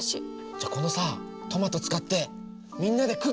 じゃあこのさトマト使ってみんなでクッキングしようよ！